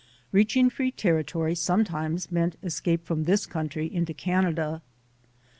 Reaching free territory sometimes meant escape from this country into Canada.